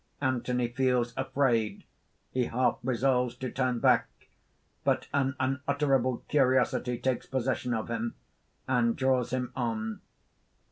_ _Anthony feels afraid; he half resolves to turn back. But an unutterable curiosity takes possession of him, and draws him on.